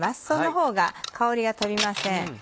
そのほうが香りが飛びません。